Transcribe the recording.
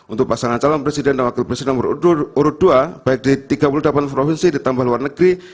untuk pasangan calon presiden dan wakil presiden nomor urut dua baik di tiga puluh delapan provinsi ditambah luar negeri